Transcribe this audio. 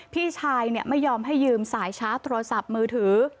พี่ชายไม่ยอมให้ยืมสายชาร์จโทรศัพท์มือถือ